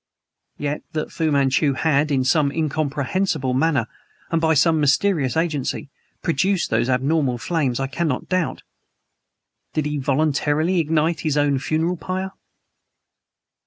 Yet that Fu Manchu had, in some incomprehensible manner and by some mysterious agency, produced those abnormal flames, I cannot doubt. Did he voluntarily ignite his own funeral pyre?